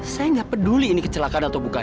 saya nggak peduli ini kecelakaan atau bukan